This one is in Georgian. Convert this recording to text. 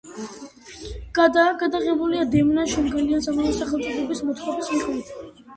გადაღებულია დემნა შენგელაიას ამავე სახელწოდების მოთხრობის მიხედვით.